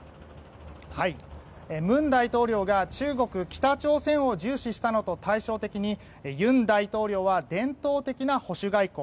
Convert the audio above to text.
文大統領が中国、北朝鮮を重視したのと対照的に尹大統領は伝統的な保守外交。